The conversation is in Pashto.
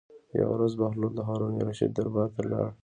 یوه ورځ بهلول د هارون الرشید دربار ته لاړ.